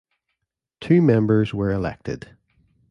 Two members were elected.